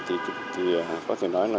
thì có thể nói là